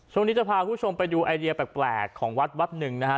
ช่วงนี้จะพาคุณผู้ชมไปดูไอเดียแปลกของวัดวัดหนึ่งนะฮะ